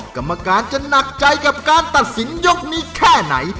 กรรมการจะหนักใจกับการตัดสินยกนี้แค่ไหน